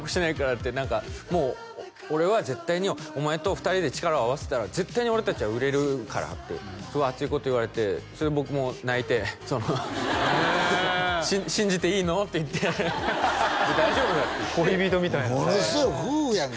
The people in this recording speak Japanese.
って何かもう「俺は絶対にお前と２人で力を合わせたら」「絶対に俺達は売れるから」ってすごい熱いこと言われてそれで僕も泣いてその「信じていいの？」って言って「大丈夫だ」って言って恋人みたいなものすごい夫婦やん